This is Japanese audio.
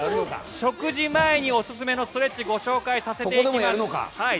食事前におすすめのストレッチをご紹介させてください。